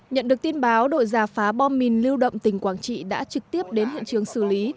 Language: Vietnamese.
nhận được tin báo đội giả phá bom mìn lưu động tỉnh quảng trị đã trực tiếp đến hiện trường xử lý